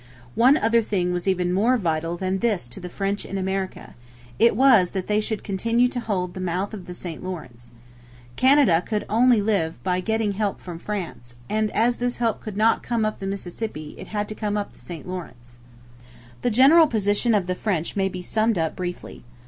One other thing was even more vital than this to the French in America: it was that they should continue to hold the mouth of the St Lawrence. Canada could live only by getting help from France; and as this help could not come up the Mississippi it had to come up the St Lawrence. The general position of the French may be summed up briefly.